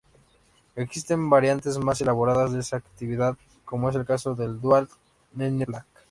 Existen variantes más elaboradas de esta actividad como es el caso del Dual n-back.